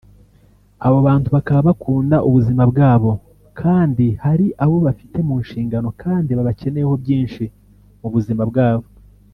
Abo bantu bakaba bakunda ubuzima bwabo kandi hari abo bafite mu nshingano kandi babakeneyeho byinshi mu buzima bwabo